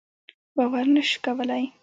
باور نه شو کولای.